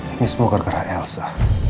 ini semua gara gara elsa